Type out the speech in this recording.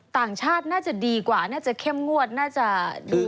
ต่างชาติน่าจะดีกว่าน่าจะเข้มงวดน่าจะดี